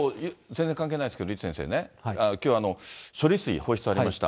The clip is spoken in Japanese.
あと全然関係ないんですけど、李先生ね、きょう、処理水、放出ありました。